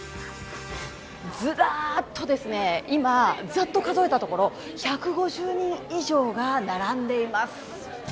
ズラっとですね、今ざっと数えたところ１５０人以上が並んでいます。